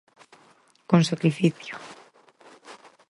Con sacrificio.